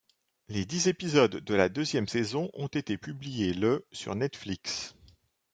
Les dix épisodes de la deuxième saison ont été publiés le sur Netflix.